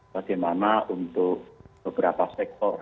bagaimana untuk beberapa sektor